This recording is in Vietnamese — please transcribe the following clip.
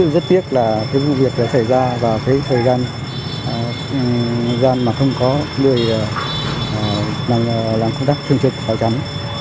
rất tiếc là cái vụ việc đã xảy ra vào cái thời gian mà không có người làm công tác chương trình rào chắn